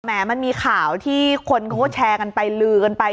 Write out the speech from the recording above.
มันมีข่าวที่คนเขาก็แชร์กันไปลือกันไป